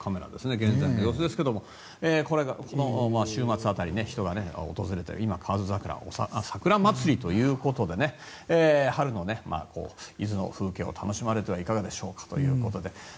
現在の様子ですがこの週末辺り、人が訪れて今、カワヅザクラ桜まつりということで春の伊豆の風景を楽しまれてはいかがでしょうかということで。